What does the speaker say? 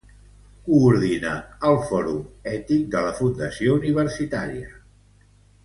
Coordina el Fòrum Ètic de la Fundació Universitària.